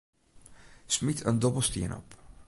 Smyt in dobbelstien op.